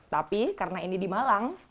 tapi karena ini di malang